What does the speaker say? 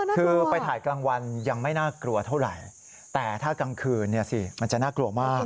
คือไปถ่ายกลางวันยังไม่น่ากลัวเท่าไหร่แต่ถ้ากลางคืนเนี่ยสิมันจะน่ากลัวมาก